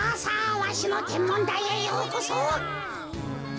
わしのてんもんだいへようこそ。